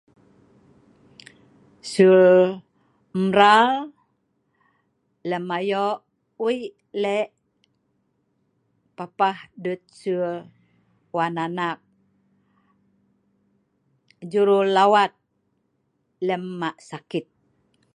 Sul mral lem ayok weik lek papah dut sul wan anak jururawat lem mak sakit